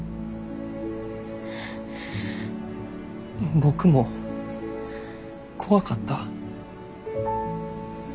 僕も怖かった。